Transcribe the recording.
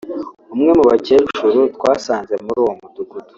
umwe mu bakecuru twasanze muri uwo Mudugudu